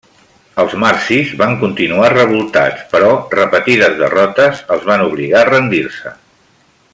Els marsis van continuar revoltats però repetides derrotes els van obligar a rendir-se.